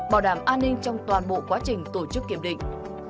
bảo đảm an ninh trong toàn bộ quá trình tổ chức kiểm định